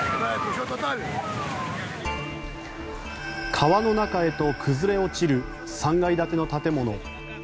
川の中へと崩れ落ちる３階建ての建物。